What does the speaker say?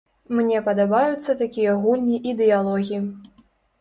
Мне падабаюцца такія гульні і дыялогі.